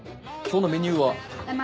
今日のメニューは？